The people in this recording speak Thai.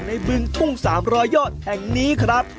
ในบึงปุ้งสามรอยโยดแห่งนี้ครับ